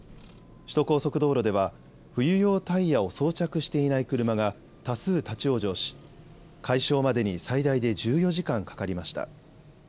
首都高速道路では冬用タイヤを装着していない車が多数立往生し解消までに最大で１４時間かかりました。